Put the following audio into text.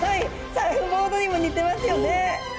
サーフボードにも似てますよね。